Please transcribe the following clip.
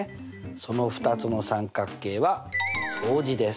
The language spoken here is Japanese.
その２つの三角形は相似です。